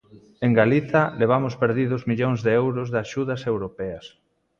En Galiza levamos perdidos millóns de euros de axudas europeas.